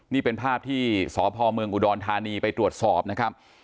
นี่เป็นภาพที่สพเมืองอุดรธานีไปตรวจสอบนะครับ